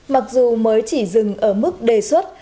mặc dù mới chỉ dừng ở mức đề xuất